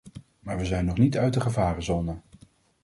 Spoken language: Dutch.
Maar we zijn nog niet uit de gevarenzone.